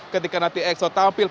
ketika nanti exo tampil